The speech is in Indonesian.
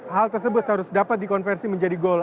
hal tersebut harus dapat dikonversi menjadi gol